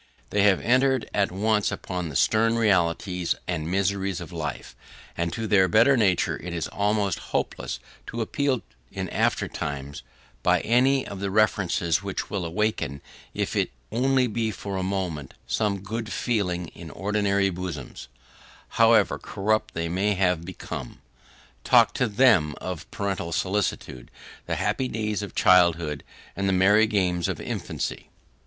They have entered at once upon the stern realities and miseries of life, and to their better nature it is almost hopeless to appeal in after times, by any of the references which will awaken, if it be only for a moment, some good feeling in ordinary bosoms, however corrupt they may have become. Talk to THEM of parental solicitude, the happy days of childhood, and the merry games of infancy!